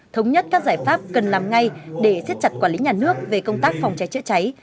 thống nhất các giải pháp cần làm ngay để siết chặt quản lý nhà nước về công tác phòng cháy chữa cháy